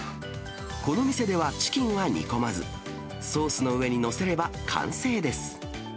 この店ではチキンは煮込まず、ソースの上に載せれば完成です。